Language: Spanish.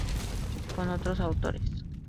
Con otros autores